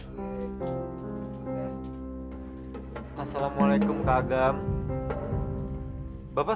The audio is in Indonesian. jadi sekarang scripture tadi rupanya cukup mencoba untuk fear pindah kaku